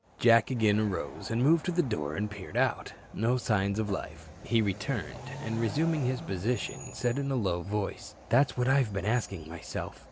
Jack again arose and moved to the door and peered out. No signs of life. He returned and resuming his position said in a low voice: "That's what I've been asking myself.